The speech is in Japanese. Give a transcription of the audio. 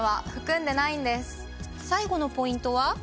最後のポイントは？